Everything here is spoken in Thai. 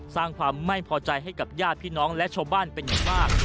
สร้างความไม่พอใจให้กับญาติพี่น้องและชาวบ้านเป็นอย่างมาก